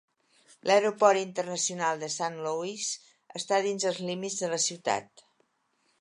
L'aeroport internacional de St. Louis està dins dels límits de la ciutat.